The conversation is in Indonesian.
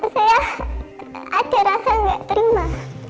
saya ada rasa nggak terima